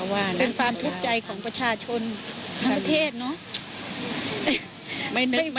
เป็นความทุกข์ใจของประชาชนธนเทศเนาะ